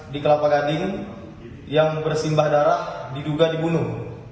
di kelapa gading yang bersimbah darah diduga dibunuh